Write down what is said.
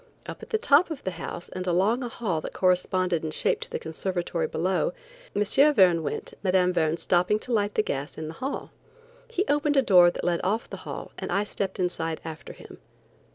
Up at the top of the house and along a hall that corresponded in shape to the conservatory below, M. Verne went, Mme. Verne stopping to light the gas in the hall. He opened a door that led off the hall and I stepped inside after him.